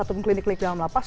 atau klinik klinik dalam lapas